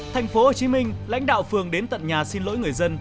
thành phố hồ chí minh lãnh đạo phường đến tận nhà xin lỗi người dân